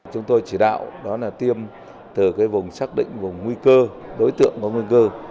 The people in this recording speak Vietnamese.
chúng tôi chỉ đạo đó là tiêm từ vùng xác định vùng nguy cơ đối tượng có nguy cơ